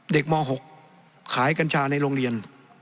ม๖ขายกัญชาในโรงเรียน